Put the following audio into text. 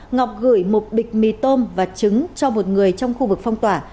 ngọc gửi một bịch mì tôm và trứng cho một người trong khu vực phong tỏa